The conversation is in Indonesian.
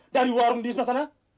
dari warung di sana